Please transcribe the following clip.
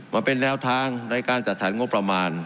มาเป็นแนวทางในการจัดสรรงบประมาณ